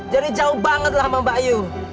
jadi jauh banget lah sama mbak yu